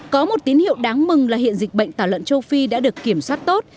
có một tín hiệu đáng mừng là hiện dịch bệnh tả lợn châu phi đã được kiểm soát tốt